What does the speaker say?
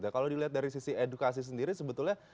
kalau dilihat dari sisi edukasi sendiri sebetulnya